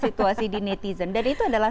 situasi di netizen dan itu adalah